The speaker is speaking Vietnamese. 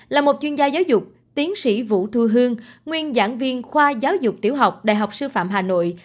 là một chuyên gia giáo dục tiến sĩ vũ thu hương nguyên giảng viên khoa giáo dục tiểu học đại học sư phạm hà nội